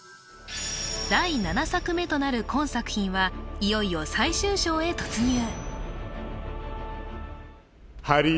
第７作目となる今作品はいよいよ最終章へ突入